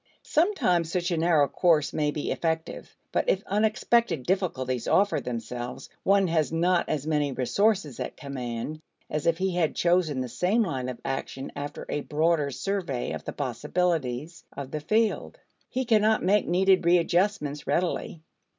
Sometimes such a narrow course may be effective. But if unexpected difficulties offer themselves, one has not as many resources at command as if he had chosen the same line of action after a broader survey of the possibilities of the field. He cannot make needed readjustments readily.